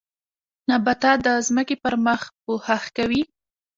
نباتات د ځمکې پر مخ پوښښ کوي